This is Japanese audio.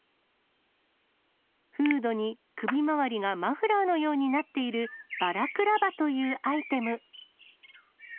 フードに首周りがマフラーのようになっている、バラクラバというアイテム。